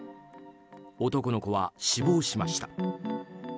男の子は死亡しました。